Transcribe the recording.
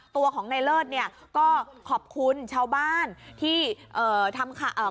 ตัวของในเลิศก็ขอบคุณชาวบ้านที่ทำข่าว